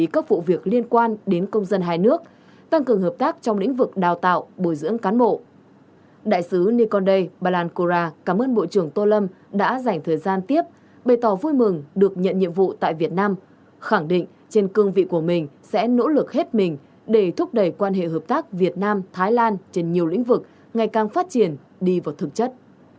các vụ việc liên quan đến công dân hai nước tăng cường hợp tác trong lĩnh vực đào tạo bồi dưỡng cán bộ đại sứ nikonday balankora cảm ơn bộ trưởng tô lâm đã dành thời gian tiếp bày tỏ vui mừng được nhận nhiệm vụ tại việt nam khẳng định trên cương vị của mình sẽ nỗ lực hết mình để thúc đẩy quan hệ hợp tác việt nam thái lan trên nhiều lĩnh vực ngày càng phát triển đi vào thực chất